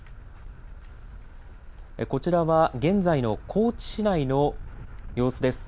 こちらは現在の高知市内の様子です。